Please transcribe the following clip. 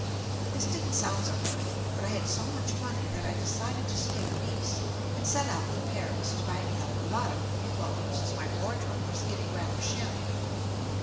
This didn't sound so good, but I had so much money that I decided to skip Nice and set out for Paris to buy me a lot of new clothes, as my wardrobe was getting rather shabby.